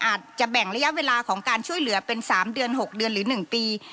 อาจจะแบ่งระยะเวลาของการช่วยเหลือเป็น๓เดือน๖เดือนหรือ๑ปี